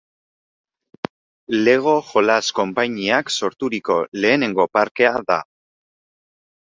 Lego jolas konpainiak sorturiko lehenengo parkea da.